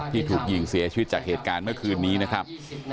ที่ถูกยิงเสียชีวิตจากเหตุการณ์เมื่อคืนนี้นะครับ